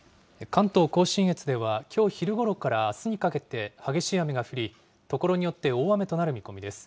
関東甲信越ではきょう昼ごろからあすにかけて、激しい雨が降り、所によって大雨となる見込みです。